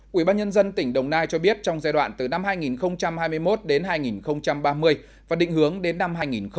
quỹ ban nhân dân tỉnh đồng nai cho biết trong giai đoạn từ năm hai nghìn hai mươi một đến hai nghìn ba mươi và định hướng đến năm hai nghìn năm mươi